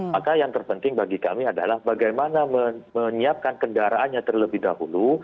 maka yang terpenting bagi kami adalah bagaimana menyiapkan kendaraannya terlebih dahulu